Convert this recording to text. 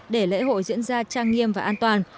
để lễ hội diễn ra trang nghiêm và an toàn